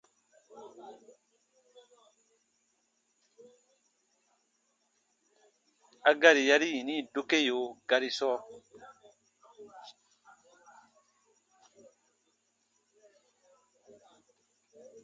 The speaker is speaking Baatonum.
A gari yari yini dokeo gari sɔɔ: